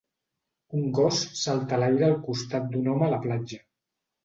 Un gos salta a l'aire al costat d'un home a la platja.